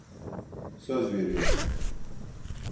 Söz veriyorum.